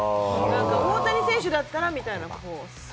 大谷選手だったらみたいな。